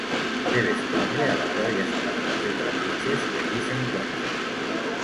Debe su nombre a las varias plantas de trapiches que allí se encuentran.